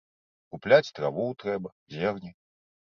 Купляць траву трэба, зерне.